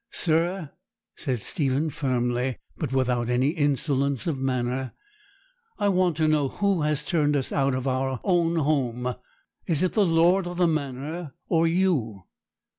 'Sir,' said Stephen firmly, but without any insolence of manner, 'I want to know who has turned us out of our own house. Is it the lord of the manor, or you?'